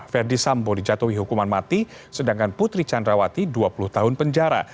verdi sambo dijatuhi hukuman mati sedangkan putri candrawati dua puluh tahun penjara